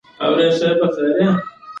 که نجونې ښوونځي ته نه ځي، کورني شخړې زیاتېږي.